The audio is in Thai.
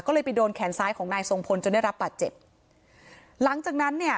ก็เลยไปโดนแขนซ้ายของนายทรงพลจนได้รับบาดเจ็บหลังจากนั้นเนี่ย